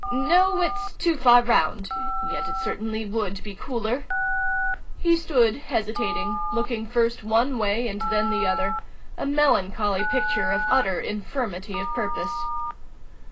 " No, it's too far round. Yet it certainly would be cooler He stood, hesitating, looking first one way and then the other a melan choly picture of utter infirmity of purpose